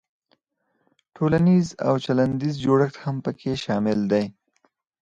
تولنیز او چلندیز جوړښت هم پکې شامل دی.